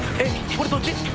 これどっち？